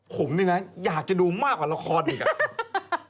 ผมอยากจะดูมากกว่าละครอีก